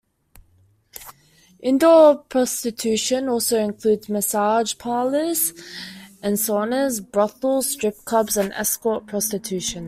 "Indoor prostitution" also includes: massage parlors and saunas, brothels, strip clubs, and escort prostitution.